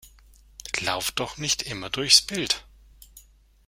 Lauf doch nicht immer durchs Bild!